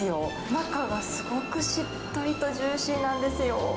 中がすごくしっとりとジューシーなんですよ。